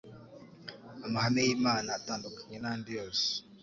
Amahame y'Imana atandukanye n'andi yose,